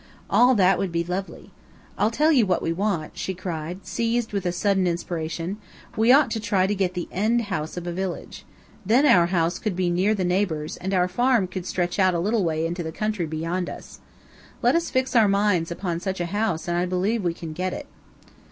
All that would be lovely. I'll tell you what we want," she cried, seized with a sudden inspiration; "we ought to try to get the end house of a village. Then our house could be near the neighbors, and our farm could stretch out a little way into the country beyond us. Let us fix our minds upon such a house and I believe we can get it."